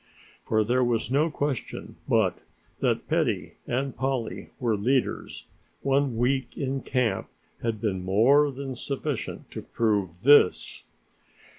For there was no question but that Betty and Polly were leaders, one week in camp had been more than sufficient to prove this.